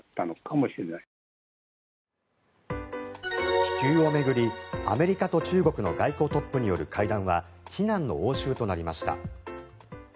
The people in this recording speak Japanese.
気球を巡りアメリカと中国の外交トップによる会談は非難の応酬となりました。